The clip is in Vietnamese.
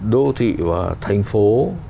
đô thị và thành phố